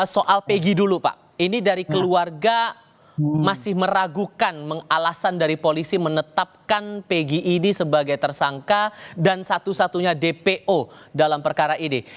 soal pg dulu pak ini dari keluarga masih meragukan mengalasan dari polisi menetapkan pegi ini sebagai tersangka dan satu satunya dpo dalam perkara ini